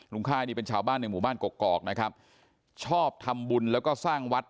ค่ายนี่เป็นชาวบ้านในหมู่บ้านกอกนะครับชอบทำบุญแล้วก็สร้างวัด